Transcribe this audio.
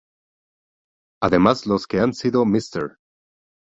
Además los que han sido Mr.